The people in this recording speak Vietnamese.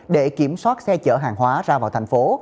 để kiểm soát xe chở hàng hóa ra vào thành phố